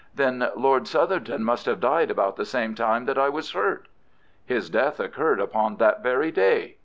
"Then Lord Southerton must have died about the same time that I was hurt?" "His death occurred upon that very day."